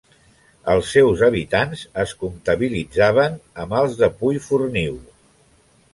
Els seus habitants es comptabilitzaven amb els de Puiforniu.